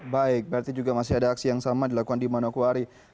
baik berarti juga masih ada aksi yang sama dilakukan di manokwari